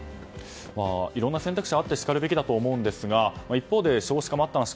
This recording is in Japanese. いろんな選択肢があってしかるべきと思うんですが一方で少子化という問題